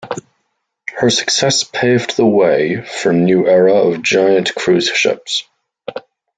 Her success paved the way for a new era of giant cruise ships.